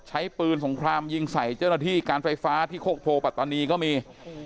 ใช้ปืนสงครามยิงใส่เจ้าหน้าที่การไฟฟ้าที่โคกโพปัตตานีก็มี